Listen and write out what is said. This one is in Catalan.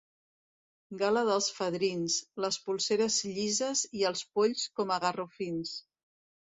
Gala dels fadrins: les polseres llises i els polls com a garrofins.